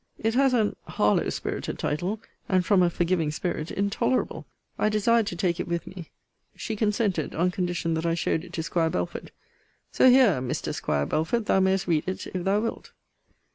It has an Harlowe spirited title: and, from a forgiving spirit, intolerable. I desired to take it with me. She consented, on condition that I showed it to 'Squire Belford. So here, Mr. 'Squire Belford, thou mayest read it, if thou wilt.